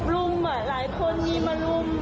รุ่มอ่ะหลายคนมีมารุ่ม